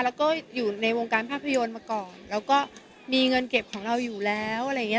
แล้วก็อยู่ในวงการภาพยนตร์มาก่อนแล้วก็มีเงินเก็บของเราอยู่แล้วอะไรอย่างเงี้